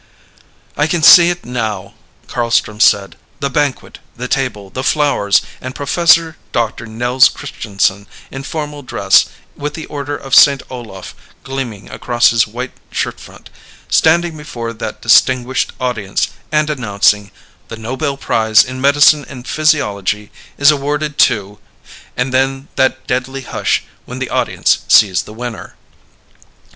"I can see it now," Carlstrom said, "the banquet, the table, the flowers, and Professor Doctor Nels Christianson in formal dress with the Order of St. Olaf gleaming across his white shirtfront, standing before that distinguished audience and announcing: 'The Nobel Prize in Medicine and Physiology is awarded to ' and then that deadly hush when the audience sees the winner."